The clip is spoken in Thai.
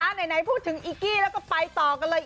ไหนพูดถึงอีกกี้แล้วก็ไปต่อกันเลย